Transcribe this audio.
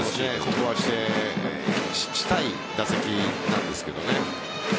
ここはしたい打席なんですけどね。